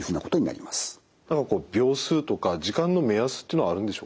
何かこう秒数とか時間の目安っていうのはあるんでしょうか？